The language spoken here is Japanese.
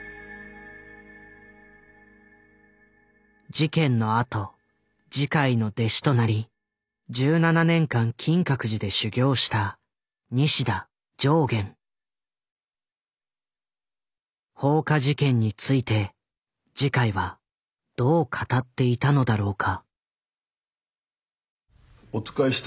事件のあと慈海の弟子となり１７年間金閣寺で修行した放火事件について慈海はどう語っていたのだろうか。